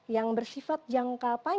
yang bersifat jangkau